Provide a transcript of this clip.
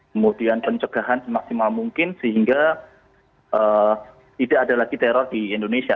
kemudian pencegahan semaksimal mungkin sehingga tidak ada lagi teror di indonesia